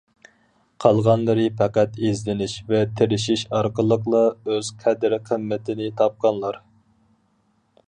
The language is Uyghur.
قالغانلىرى پەقەت ئىزدىنىش ۋە تىرىشىش ئارقىلىقلا ئۆز قەدىر-قىممىتىنى تاپقانلار.